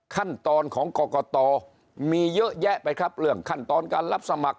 ขั้นตอนของกรกตมีเยอะแยะไปครับเรื่องขั้นตอนการรับสมัคร